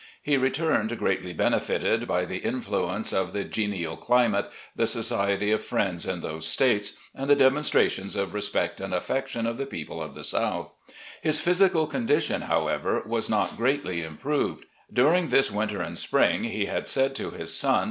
He returned greatly benefited by the influence of the genial climate, the society of friends in those States, and the demonstrations of respect and affection of the people of the South; his physical condition, however, was not greatly im proved. During this winter and spring he had said to his son.